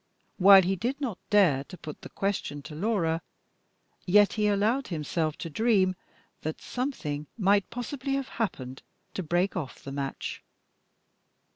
While he did not dare to put the question to Laura, yet he allowed himself to dream that something might possibly have happened to break off the match.